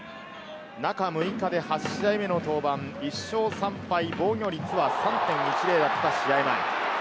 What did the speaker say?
中６日で８試合目の登板で１勝３敗、防御率は３．１０だった試合前。